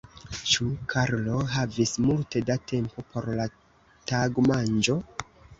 Ĉu Karlo havis multe da tempo por la tagmanĝo?